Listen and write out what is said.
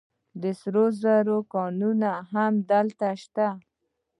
د سرو زرو کانونه هم هلته شته.